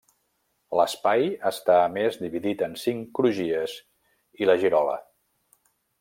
L'espai està a més dividit en cinc crugies i la girola.